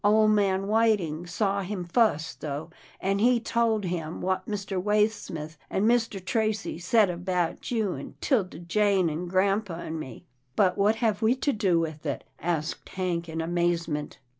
Ole man Whiting saw him fust though, an' he tole him what Mr. Waysmith an' Mr. Tracy said about you, an' 'Tilda Jane, an' grampa, an' me. " But what have we to do with it? " asked Hank in amazement.